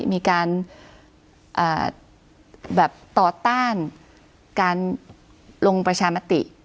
มีการแบบต่อต้านการลงประชามติ